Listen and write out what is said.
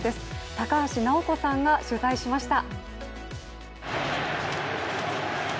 高橋尚子さんが取材しました。